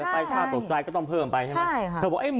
ไปฆ่าตกใจก็ต้องเพิ่มไปใช่ไหม